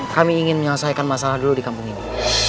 kami ingin menyelesaikan masalah dulu di kampung ini